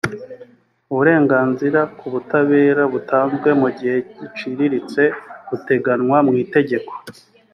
uburenganzira ku butabera butanzwe mu gihe giciriritse buteganywa mu itegeko